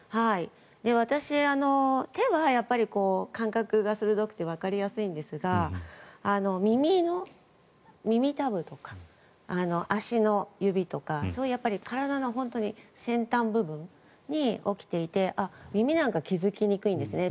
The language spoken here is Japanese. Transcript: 私、手はやっぱり感覚が鋭くてわかりやすいんですが耳たぶとか足の指とか体の本当に先端部分に起きていて耳なんか気付きにくいんですね。